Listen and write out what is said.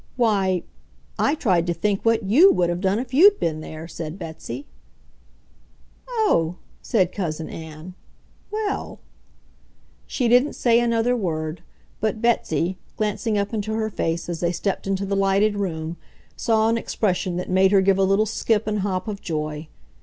"Why, I tried to think what YOU would have done if you'd been there," said Betsy. "Oh!" said Cousin Ann. "Well ..." She didn't say another word, but Betsy, glancing up into her face as they stepped into the lighted room, saw an expression that made her give a little skip and hop of joy.